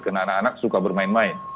karena anak anak suka bermain main